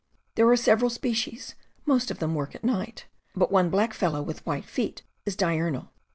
.,. There are several species, most of them working at night; but one black fellow with white feet is diurnal.